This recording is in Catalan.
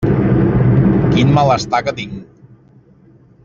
Quin malestar que tinc!